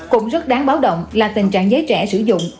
cũng rất đáng báo động là tình trạng giới trẻ sử dụng